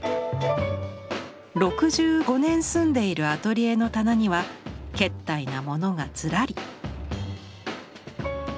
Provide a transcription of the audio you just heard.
６５年住んでいるアトリエの棚にはけったいなものがずらり。